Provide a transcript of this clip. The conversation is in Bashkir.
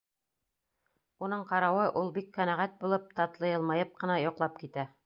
Уның ҡарауы, ул, бик ҡәнәғәт булып, татлы йылмайып ҡына, йоҡлап китә.